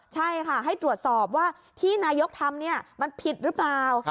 ใช่ค่ะให้ตรวจสอบว่าที่นายกทำมันผิดหรือเปล่า